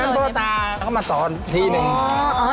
ตอนนั้นพ่อตาเขามาสอนทีหนึ่ง